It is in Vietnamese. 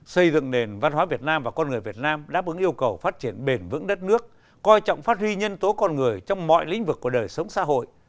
xây dựng nền văn hóa việt nam và con người việt nam đáp ứng yêu cầu phát triển bền vững đất nước coi trọng phát huy nhân tố con người trong mọi lĩnh vực của đời sống xã hội